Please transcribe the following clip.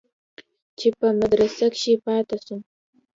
چې په مدرسه کښې پاته سم.